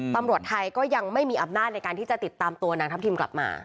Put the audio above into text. ตำรวจไทยก็ยังไม่มีอำนาจในการที่จะติดตามตัวนางทัพทิมกลับมา